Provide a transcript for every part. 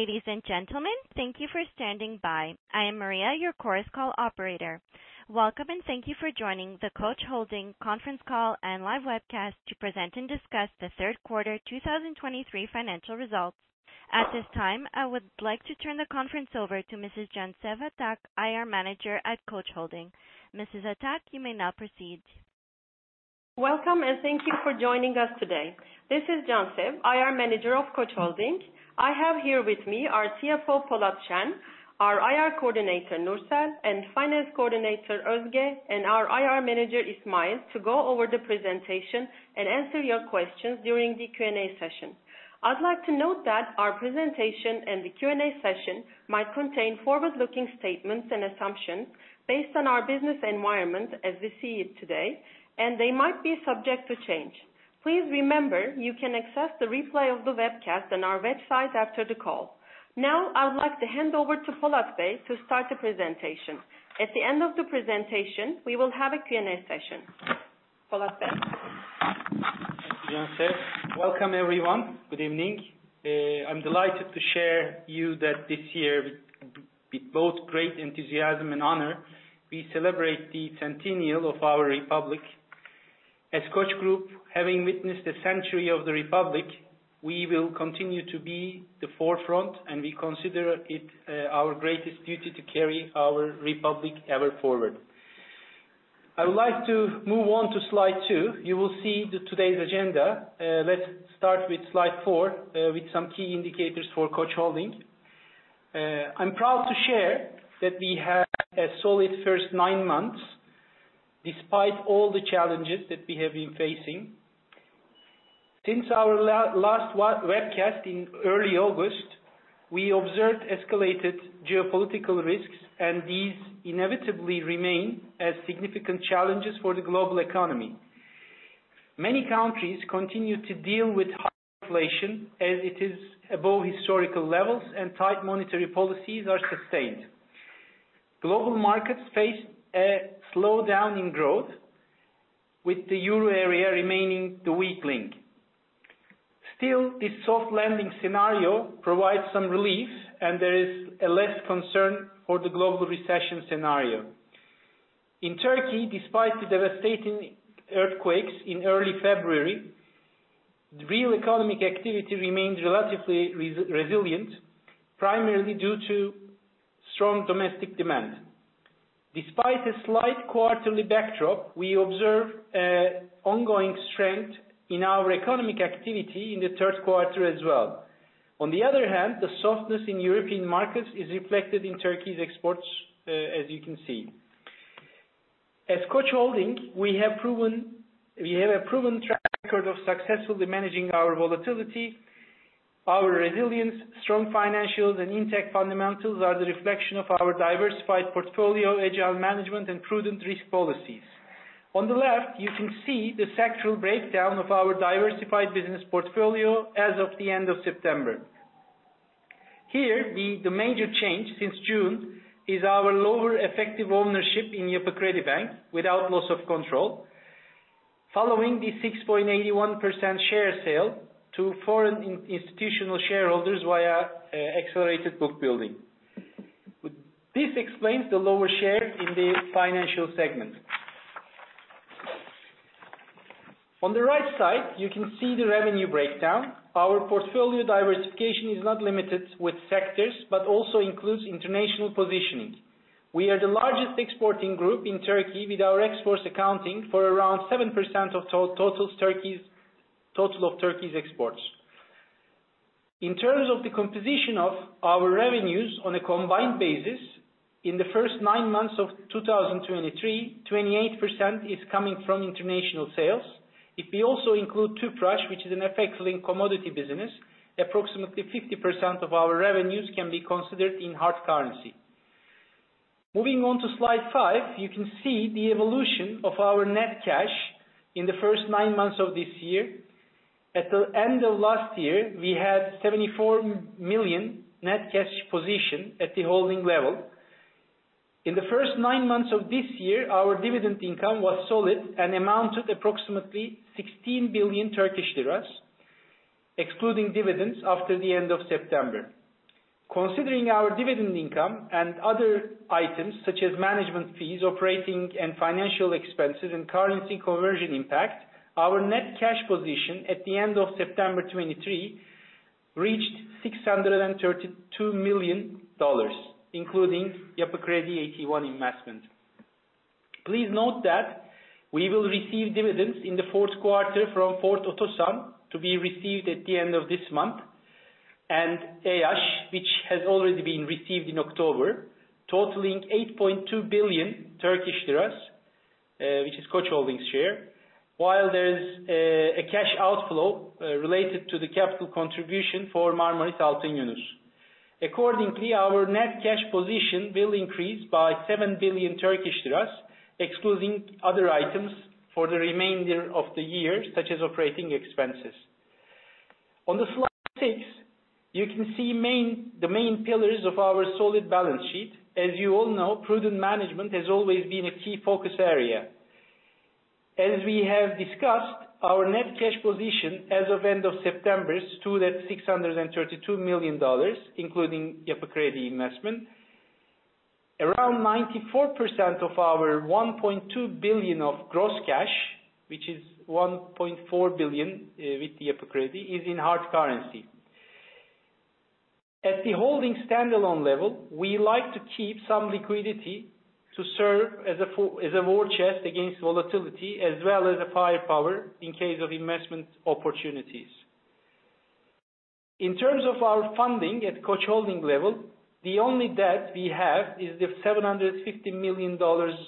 Ladies and gentlemen, thank you for standing by. I am Maria, your Chorus Call operator. Welcome and thank you for joining the Koç Holding conference call and live webcast to present and discuss the third quarter 2023 financial results. At this time, I would like to turn the conference over to Mrs. Cansevil Akçağlıyan, IR Manager at Koç Holding. Mrs. Akçağlıyan, you may now proceed. Welcome and thank you for joining us today. This is Cansevil, IR Manager of Koç Holding. I have here with me our CFO, Polat Şen, our IR Coordinator, Nursel, and Finance Coordinator, Özge, and our IR Manager, İsmail, to go over the presentation and answer your questions during the Q&A session. I'd like to note that our presentation and the Q&A session might contain forward-looking statements and assumptions based on our business environment as we see it today, and they might be subject to change. Please remember, you can access the replay of the webcast on our website after the call. Now, I would like to hand over to Polat Bey to start the presentation. At the end of the presentation, we will have a Q&A session. Polat Bey. Thank you, Cansevil. Welcome, everyone. Good evening. I'm delighted to share with you that this year, with both great enthusiasm and honor, we celebrate the centennial of our republic. As Koç Group, having witnessed the century of the republic, we will continue to be at the forefront, and we consider it our greatest duty to carry our republic ever forward. I would like to move on to slide two. You will see today's agenda. Let's start with slide four, with some key indicators for Koç Holding. I'm proud to share that we had a solid first nine months despite all the challenges that we have been facing. Since our last webcast in early August, we observed escalated geopolitical risks, and these inevitably remain as significant challenges for the global economy. Many countries continue to deal with high inflation as it is above historical levels, and tight monetary policies are sustained. Global markets face a slowdown in growth, with the euro area remaining the weak link. Still, this soft landing scenario provides some relief, and there is less concern for the global recession scenario. In Turkey, despite the devastating earthquakes in early February, real economic activity remained relatively resilient, primarily due to strong domestic demand. Despite a slight quarterly backdrop, we observe ongoing strength in our economic activity in the third quarter as well. On the other hand, the softness in European markets is reflected in Turkey's exports, as you can see. As Koç Holding, we have a proven track record of successfully managing our volatility. Our resilience, strong financials, and intact fundamentals are the reflection of our diversified portfolio, agile management, and prudent risk policies. On the left, you can see the sectoral breakdown of our diversified business portfolio as of the end of September. Here, the major change since June is our lower effective ownership in Yapı Kredi without loss of control, following the 6.81% share sale to foreign institutional shareholders via accelerated book building. This explains the lower share in the financial segment. On the right side, you can see the revenue breakdown. Our portfolio diversification is not limited with sectors but also includes international positioning. We are the largest exporting group in Turkey, with our exports accounting for around 7% of Turkey's total exports. In terms of the composition of our revenues on a combined basis, in the first nine months of 2023, 28% is coming from international sales. If we also include Tüpraş, which is an effective commodity business, approximately 50% of our revenues can be considered in hard currency. Moving on to slide five, you can see the evolution of our net cash in the first nine months of this year. At the end of last year, we had $74 million net cash position at the holding level. In the first nine months of this year, our dividend income was solid and amounted to approximately 16 billion Turkish lira, excluding dividends after the end of September. Considering our dividend income and other items such as management fees, operating and financial expenses, and currency conversion impact, our net cash position at the end of September 2023 reached $632 million, including Yapı Kredi AT1 investment. Please note that we will receive dividends in the fourth quarter from Ford Otosan to be received at the end of this month and EYAŞ, which has already been received in October, totaling 8.2 billion Turkish lira, which is Koç Holding's share, while there is a cash outflow related to the capital contribution for Marmaris Altın Yunus. Accordingly, our net cash position will increase by 7 billion Turkish lira, excluding other items for the remainder of the year, such as operating expenses. On the slide six, you can see the main pillars of our solid balance sheet. As you all know, prudent management has always been a key focus area. As we have discussed, our net cash position as of end of September stood at $632 million, including Yapı Kredi investment. Around 94% of our $1.2 billion of gross cash, which is $1.4 billion with Yapı Kredi, is in hard currency. At the holding standalone level, we like to keep some liquidity to serve as a war chest against volatility as well as a firepower in case of investment opportunities. In terms of our funding at Koç Holding level, the only debt we have is the $750 million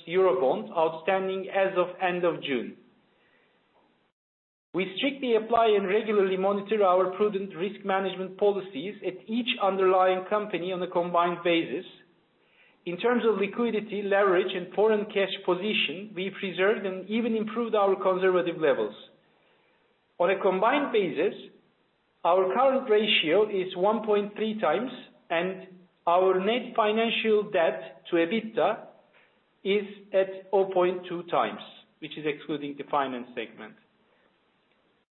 euro bond outstanding as of end of June. We strictly apply and regularly monitor our prudent risk management policies at each underlying company on a combined basis. In terms of liquidity, leverage, and foreign cash position, we preserved and even improved our conservative levels. On a combined basis, our current ratio is 1.3 times, and our net financial debt to EBITDA is at 0.2 times, which is excluding the finance segment.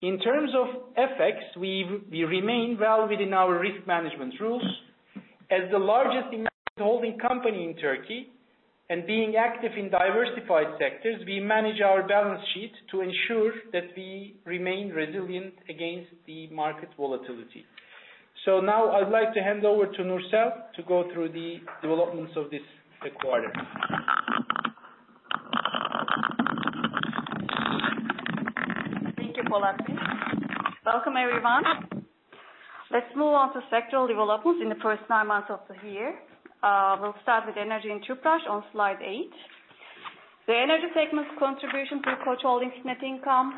In terms of effects, we remain well within our risk management rules. As the largest holding company in Turkey and being active in diversified sectors, we manage our balance sheet to ensure that we remain resilient against the market volatility. So now, I'd like to hand over to Nursel to go through the developments of this quarter. Thank you, Polat. Welcome, everyone. Let's move on to sectoral developments in the first nine months of the year. We'll start with energy and Tüpraş on slide eight. The energy segment's contribution to Koç Holding's net income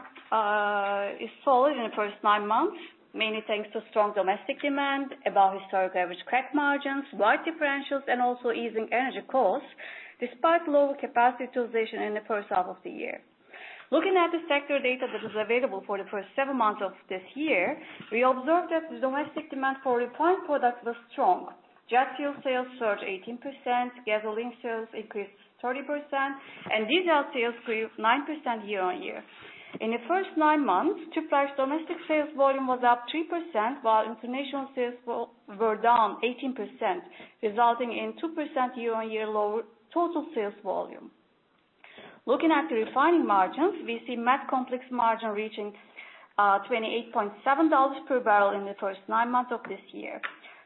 is solid in the first nine months, mainly thanks to strong domestic demand, above historic average credit margins, wide differentials, and also easing energy costs despite low capacity utilization in the first half of the year. Looking at the sector data that is available for the first seven months of this year, we observe that the domestic demand for refined products was strong. Jet fuel sales surged 18%, gasoline sales increased 30%, and diesel sales grew 9% year on year. In the first nine months, Tüpraş's domestic sales volume was up 3%, while international sales were down 18%, resulting in a 2% year-on-year lower total sales volume. Looking at the refining margins, we see Med complex margin reaching $28.7 per barrel in the first nine months of this year.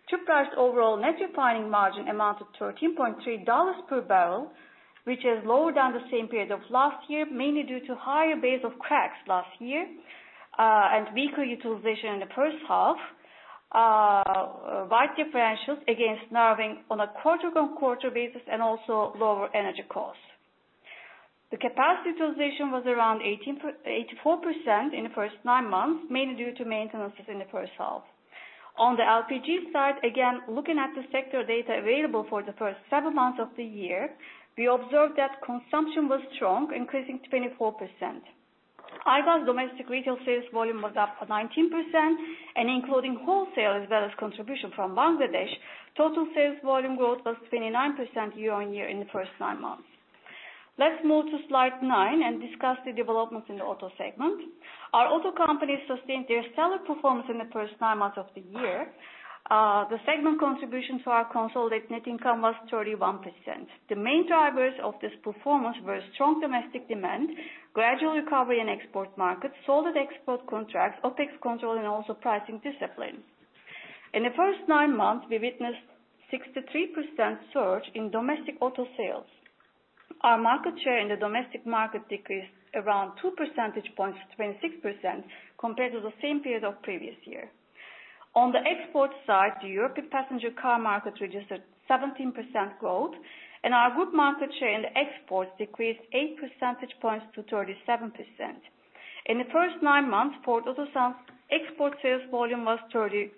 Tüpraş's overall net refining margin amounted to $13.3 per barrel, which is lower than the same period of last year, mainly due to a higher base of cracks last year and weaker utilization in the first half, wide differentials against narrowing on a quarter-on-quarter basis, and also lower energy costs. The capacity utilization was around 84% in the first nine months, mainly due to maintenances in the first half. On the LPG side, again, looking at the sector data available for the first seven months of the year, we observed that consumption was strong, increasing 24%. Aygaz domestic retail sales volume was up 19%, and including wholesale as well as contribution from Bangladesh, total sales volume growth was 29% year-on-year in the first nine months. Let's move to slide nine and discuss the developments in the auto segment. Our auto companies sustained their stellar performance in the first nine months of the year. The segment contribution to our consolidated net income was 31%. The main drivers of this performance were strong domestic demand, gradual recovery in export markets, solid export contracts, OPEX control, and also pricing discipline. In the first nine months, we witnessed a 63% surge in domestic auto sales. Our market share in the domestic market decreased around 2 percentage points to 26% compared to the same period of the previous year. On the export side, the European passenger car market registered a 17% growth, and our group market share in the exports decreased 8 percentage points to 37%. In the first nine months, Ford Otosan's export sales volume was 35%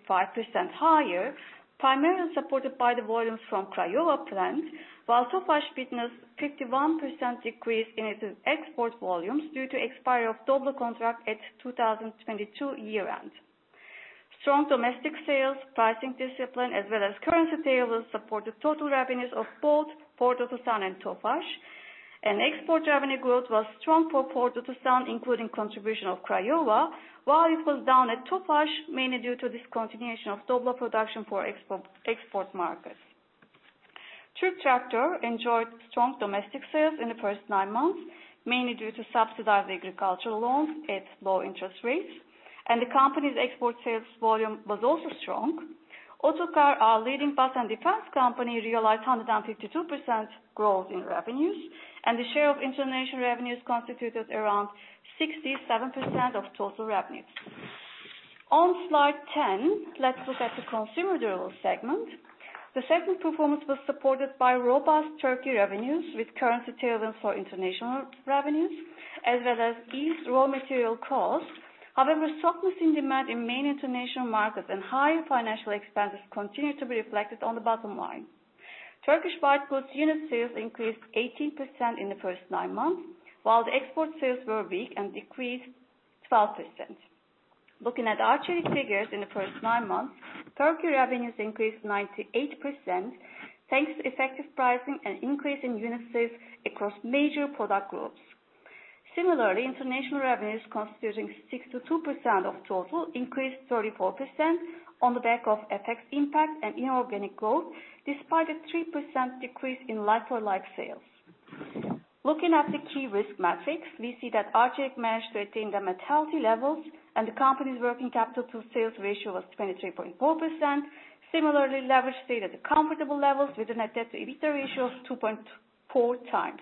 higher, primarily supported by the volumes from Craiova Plant, while Tüpraş witnessed a 51% decrease in its export volumes due to the expiry of the Doblo contract at 2022 year-end. Strong domestic sales, pricing discipline, as well as currency payables supported total revenues of both Ford Otosan and Tüpraş. Export revenue growth was strong for Ford Otosan, including contribution from Craiova, while it was down at Tüpraş, mainly due to the discontinuation of Doblo production for export markets. TürkTraktör enjoyed strong domestic sales in the first nine months, mainly due to subsidized agricultural loans at low interest rates, and the company's export sales volume was also strong. Otokar, our leading bus and defense company, realized 152% growth in revenues, and the share of international revenues constituted around 67% of total revenues. On slide 10, let's look at the consumer durables segment. The segment performance was supported by robust Turkish revenues with currency tailwinds for international revenues as well as raw material costs. However, softness in demand in main international markets and higher financial expenses continue to be reflected on the bottom line. Turkish white goods unit sales increased 18% in the first nine months, while the export sales were weak and decreased 12%. Looking at Arçelik figures in the first nine months, Turkish revenues increased 98% thanks to effective pricing and an increase in unit sales across major product groups. Similarly, international revenues constituting 62% of total increased 34% on the back of FX impact and inorganic growth, despite a 3% decrease in like-for-like sales. Looking at the key metrics, we see that Arçelik managed to attain the target levels, and the company's working capital to sales ratio was 23.4%. Similarly, leverage stayed at comfortable levels with an EBITDA ratio of 2.4 times.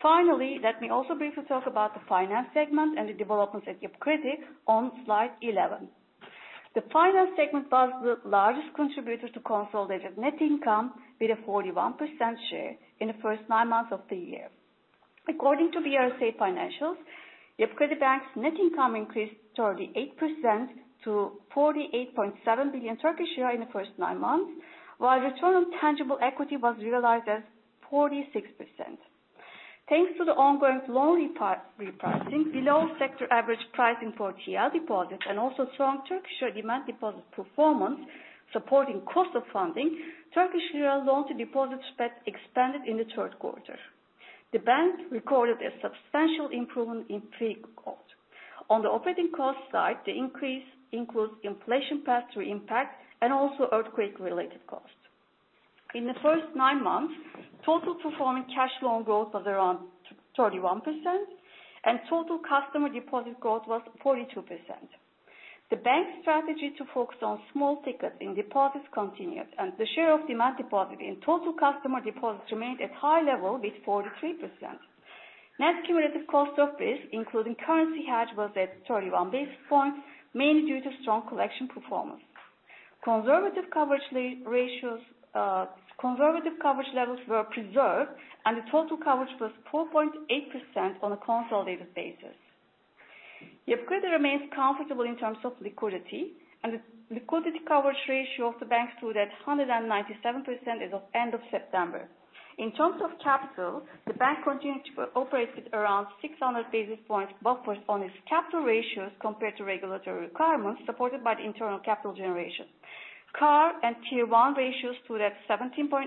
Finally, let me also briefly talk about the finance segment and the developments at Yapı Kredi on slide 11. The finance segment was the largest contributor to consolidated net income with a 41% share in the first nine months of the year. According to BRSA Financials, Yapı Kredi Bank's net income increased 38% to 48.7 billion Turkish lira in the first nine months, while return on tangible equity was realized at 46%. Thanks to the ongoing loan repricing, below sector average pricing for TL deposits, and also strong Turkish lira demand deposit performance supporting cost of funding, Turkish lira loan-to-deposit spread expanded in the third quarter. The bank recorded a substantial improvement in frees. On the operating cost side, the increase includes inflation pass-through impact and also earthquake-related costs. In the first nine months, total performing cash loan growth was around 31%, and total customer deposit growth was 42%. The bank's strategy to focus on small tickets in deposits continued, and the share of demand deposit in total customer deposits remained at high level with 43%. Net cumulative cost of risk, including currency hedge, was at 31 basis points, mainly due to strong collection performance. Conservative coverage levels were preserved, and the total coverage was 4.8% on a consolidated basis. Yapı Kredi remains comfortable in terms of liquidity, and the liquidity coverage ratio of the bank stood at 197% as of end of September. In terms of capital, the bank continued to operate with around 600 basis points buffers on its capital ratios compared to regulatory requirements supported by the internal capital generation. CAR and Tier 1 ratios stood at 17.8%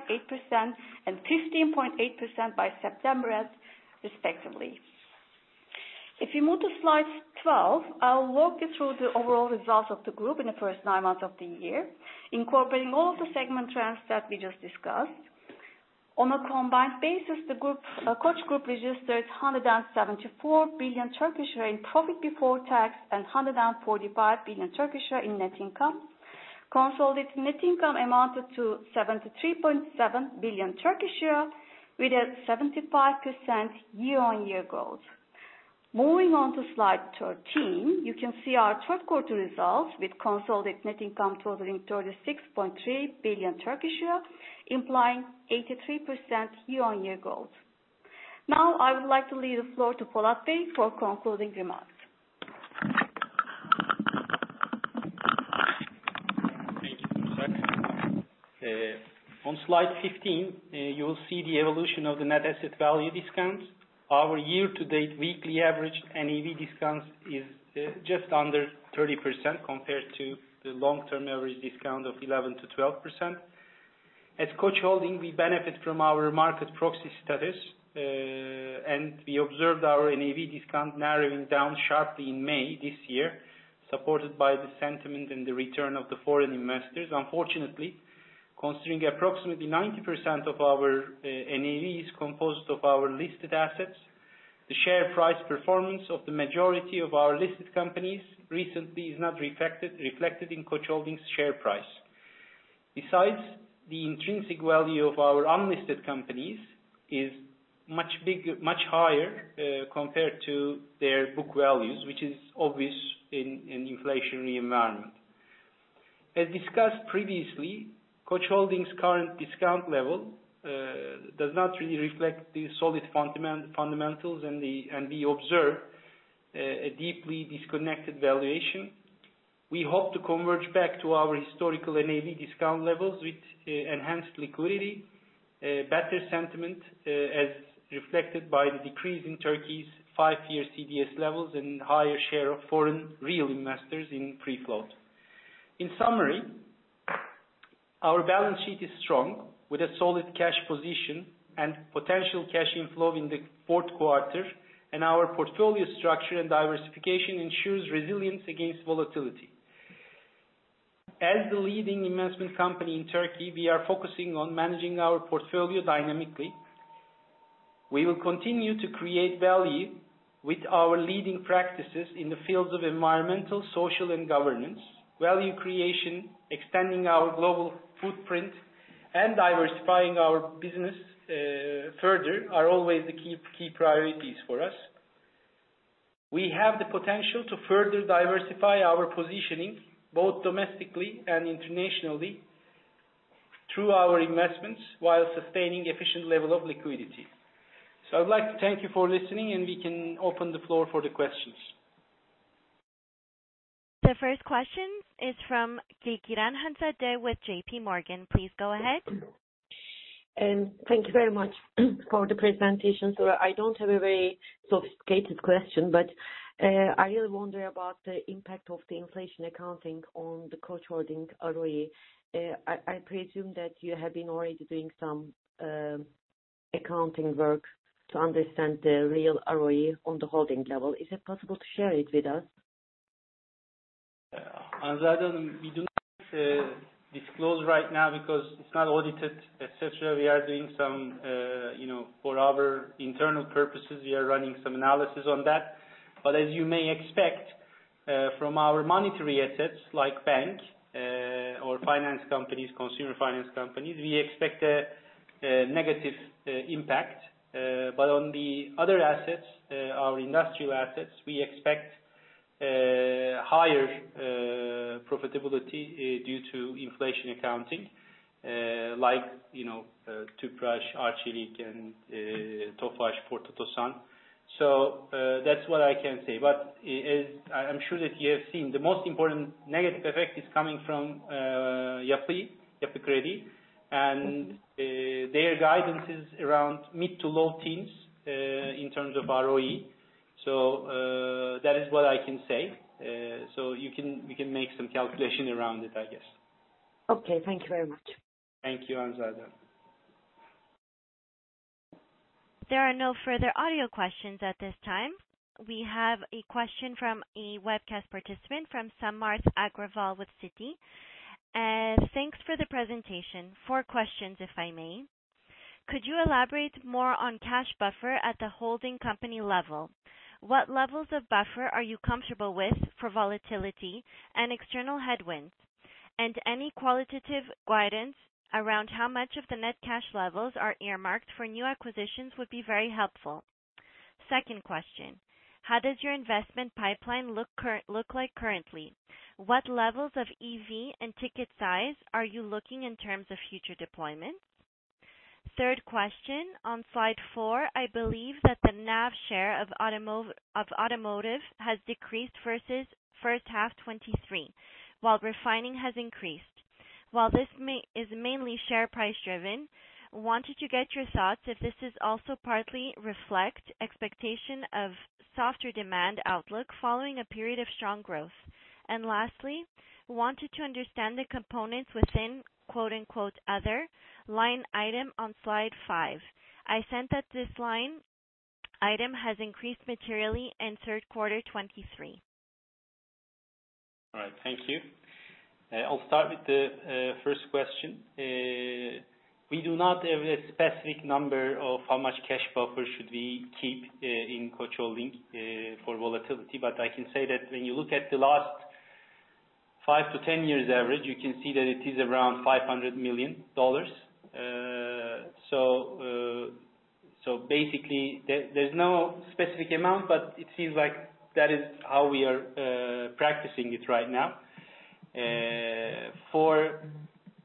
and 15.8% by September, respectively. If we move to slide 12, I'll walk you through the overall results of the group in the first nine months of the year, incorporating all of the segment trends that we just discussed. On a combined basis, the Koç Group registered 174 billion in profit before tax and 145 billion in net income. Consolidated net income amounted to 73.7 billion with a 75% year-on-year growth. Moving on to slide 13, you can see our third quarter results with consolidated net income totaling TRY 36.3 billion, implying 83% year-on-year growth. Now, I would like to leave the floor to Polat Bey for concluding remarks. Thank you, Nursel. On slide 15, you will see the evolution of the net asset value discounts. Our year-to-date weekly average NAV discounts is just under 30% compared to the long-term average discount of 11%-12%. At Koç Holding, we benefit from our market proxy status, and we observed our NAV discount narrowing down sharply in May this year, supported by the sentiment and the return of the foreign investors. Unfortunately, considering approximately 90% of our NAV is composed of our listed assets, the share price performance of the majority of our listed companies recently is not reflected in Koç Holding's share price. Besides, the intrinsic value of our unlisted companies is much higher compared to their book values, which is obvious in an inflationary environment. As discussed previously, Koç Holding's current discount level does not really reflect the solid fundamentals, and we observe a deeply disconnected valuation. We hope to converge back to our historical NAV discount levels with enhanced liquidity, better sentiment, as reflected by the decrease in Turkey's five-year CDS levels and higher share of foreign real investors in pre-float. In summary, our balance sheet is strong with a solid cash position and potential cash inflow in the fourth quarter, and our portfolio structure and diversification ensure resilience against volatility. As the leading investment company in Turkey, we are focusing on managing our portfolio dynamically. We will continue to create value with our leading practices in the fields of environmental, social, and governance. Value creation, extending our global footprint, and diversifying our business further are always the key priorities for us. We have the potential to further diversify our positioning both domestically and internationally through our investments while sustaining an efficient level of liquidity. I would like to thank you for listening, and we can open the floor for the questions. The first question is from Hanzade Kılıçkıran with J.P. Morgan. Please go ahead. Thank you very much for the presentation. I don't have a very sophisticated question, but I really wonder about the impact of the inflation accounting on the Koç Holding ROE. I presume that you have been already doing some accounting work to understand the real ROE on the holding level. Is it possible to share it with us? We do not disclose right now because it's not audited, etc. We are doing some for our internal purposes. We are running some analysis on that. But as you may expect, from our monetary assets like bank or finance companies, consumer finance companies, we expect a negative impact. But on the other assets, our industrial assets, we expect higher profitability due to inflation accounting like Tüpraş, Arçelik, and Ford Otosan. So that's what I can say. But I'm sure that you have seen the most important negative effect is coming from Yapı Kredi and their guidances around mid to low teens in terms of ROE. So that is what I can say. So you can make some calculation around it, I guess. Okay. Thank you very much. Thank you, Hanzade. There are no further audio questions at this time. We have a question from a webcast participant from Samarth Agrawal with Citi. Thanks for the presentation. Four questions, if I may. Could you elaborate more on cash buffer at the holding company level? What levels of buffer are you comfortable with for volatility and external headwinds? And any qualitative guidance around how much of the net cash levels are earmarked for new acquisitions would be very helpful. Second question, how does your investment pipeline look like currently? What levels of EV and ticket size are you looking in terms of future deployment? Third question, on slide four, I believe that the NAV share of automotive has decreased versus first half 2023, while refining has increased. While this is mainly share price driven, wanted to get your thoughts if this is also partly reflecting expectations of softer demand outlook following a period of strong growth. And lastly, wanted to understand the components within "other" line item on slide 5. I sense that this line item has increased materially in third quarter 2023. All right. Thank you. I'll start with the first question. We do not have a specific number of how much cash buffer should we keep in Koç Holding for volatility, but I can say that when you look at the last five to 10 years' average, you can see that it is around $500 million. So basically, there's no specific amount, but it seems like that is how we are practicing it right now. For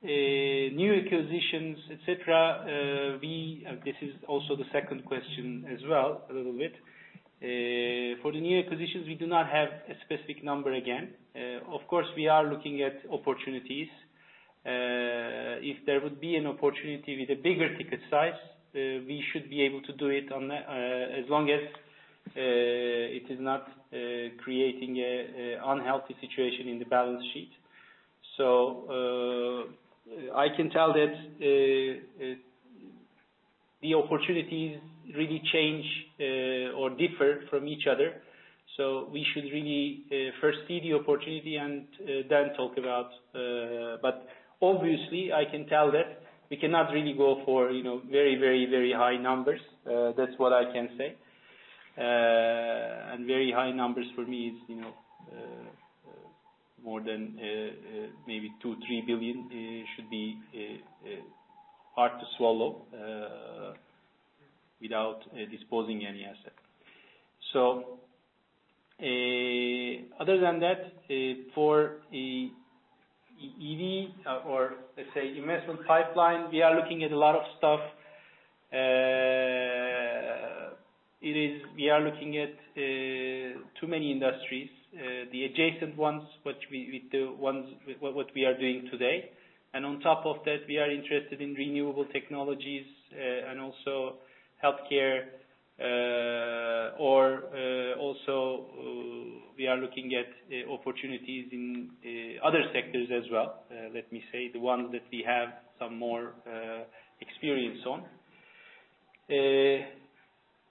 new acquisitions, etc., this is also the second question as well, a little bit. For the new acquisitions, we do not have a specific number again. Of course, we are looking at opportunities. If there would be an opportunity with a bigger ticket size, we should be able to do it as long as it is not creating an unhealthy situation in the balance sheet. So I can tell that the opportunities really change or differ from each other. So we should really first see the opportunity and then talk about. But obviously, I can tell that we cannot really go for very, very, very high numbers. That's what I can say. And very high numbers for me is more than maybe 2-3 billion should be hard to swallow without disposing of any asset. So other than that, for EV or, let's say, investment pipeline, we are looking at a lot of stuff. We are looking at too many industries, the adjacent ones, what we are doing today. And on top of that, we are interested in renewable technologies and also healthcare. Or also, we are looking at opportunities in other sectors as well, let me say, the ones that we have some more experience on.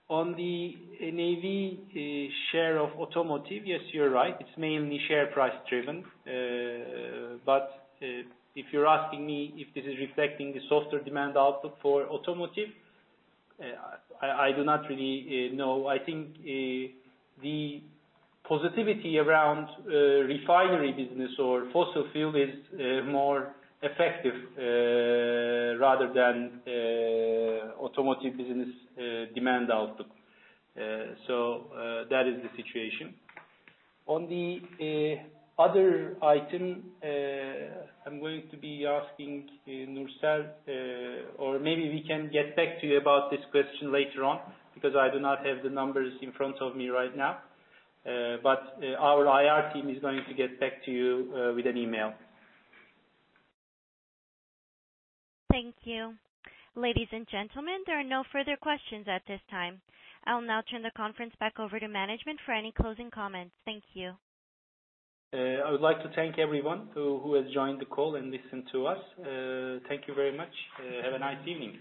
On the NAV share of automotive, yes, you're right. It's mainly share price driven. But if you're asking me if this is reflecting the softer demand outlook for automotive, I do not really know. I think the positivity around refinery business or fossil fuel is more effective rather than automotive business demand outlook. So that is the situation. On the other item, I'm going to be asking Nursel, or maybe we can get back to you about this question later on because I do not have the numbers in front of me right now. But our IR team is going to get back to you with an email. Thank you. Ladies and gentlemen, there are no further questions at this time. I'll now turn the conference back over to management for any closing comments. Thank you. I would like to thank everyone who has joined the call and listened to us. Thank you very much. Have a nice evening.